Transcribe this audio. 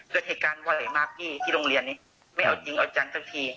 เกิดเหตุการณ์บ่อยมากพี่ที่โรงเรียนนี้ไม่เอาจริงเอาจังสักที